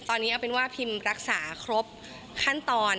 ตอนนี้เอาเป็นว่าพิมรักษาครบขั้นตอน